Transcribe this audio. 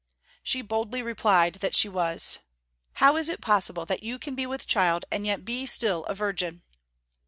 She boldly replied that she was. "How is it possible that you can be with child and yet be still a virgin?"